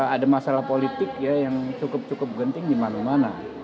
ada masalah politik yang cukup cukup genting di mana mana